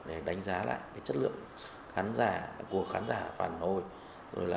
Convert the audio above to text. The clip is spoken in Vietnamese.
để đánh giá lại cái chất lượng của khán giả phản hồi